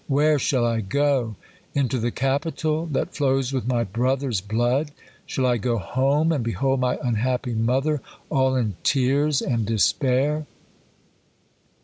Where shall I go ? Into the capitol ? that flows with my brother's blood. Shall I go home, and behold my mihappy mother all in tears and despair?"